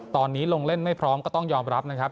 ตอนนี้ลงเล่นไม่พร้อมก็ต้องยอมรับนะครับ